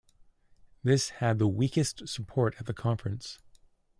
This had the weakest support at the conference.